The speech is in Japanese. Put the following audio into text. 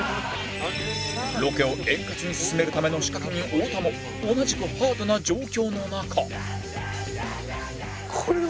ロケを円滑に進めるための仕掛け人太田も同じくハードな状況の中